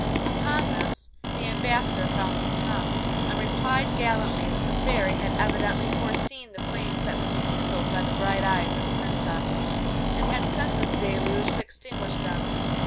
Upon this the Ambassador found his tongue, and replied gallantly that the Fairy had evidently foreseen the flames that would be kindled by the bright eyes of the Princess, and had sent this deluge to extinguish them.